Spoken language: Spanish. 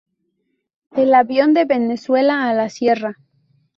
El avión de Venezuela a la Sierra.